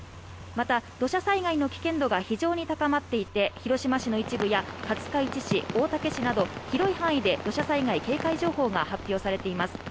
また土砂災害の危険度が非常に高まっていて広島市の一部や廿日市市大竹市など広い範囲で土砂災害警戒情報が発表されています